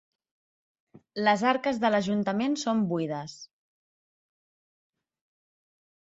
Les arques de l'ajuntament són buides.